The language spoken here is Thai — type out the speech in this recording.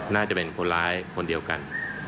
น่าจะเป็นคนร้ายคนเดียวกัน